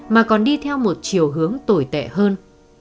mà còn đi theo một chiều hướng tồi tệ hơn